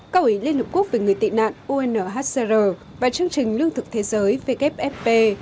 câu ý liên hợp quốc về người tị nạn unhcr và chương trình lương thực thế giới wfp